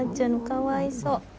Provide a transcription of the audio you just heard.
かわいそう